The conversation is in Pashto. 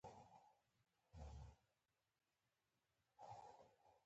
ده داسې خوږ لحن او زیر و بم تلاوت کاوه.